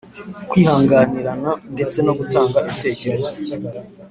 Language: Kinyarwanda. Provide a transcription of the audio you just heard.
kwihanganirana ndetse no gutanga ibitekerezo